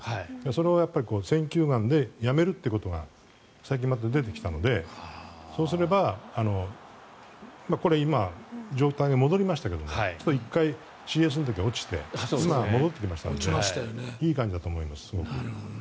それを選球眼でやめるってことが最近また出てきたのでそうすればこれ、今状態が戻りましたけどちょっと１回、ＣＳの時は落ちて今戻ってきましたのでいい感じだと思います。